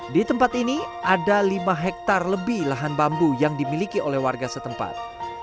di tempat ini ada lima hektare lebih lahan bambu yang dimiliki oleh warga setempat